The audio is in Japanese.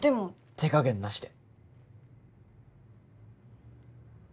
手加減なしで。